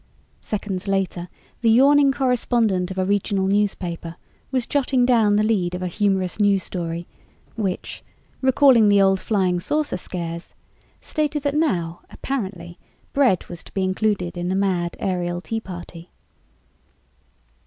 Seconds later, the yawning correspondent of a regional newspaper was jotting down the lead of a humorous news story which, recalling the old flying saucer scares, stated that now apparently bread was to be included in the mad aerial tea party.